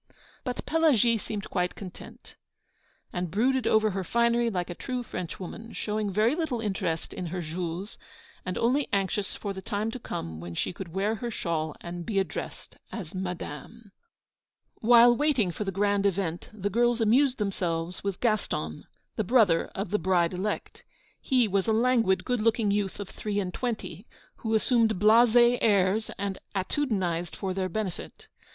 But Pelagie seemed quite content, and brooded over her finery like a true Frenchwoman, showing very little interest in her Jules, and only anxious for the time to come when she could wear her shawl and be addressed as Madame. While waiting for the grand event, the girls amused themselves with Gaston, the brother of the bride elect. He was a languid, good looking youth of three and twenty, who assumed blasé airs and attitudinized for their benefit.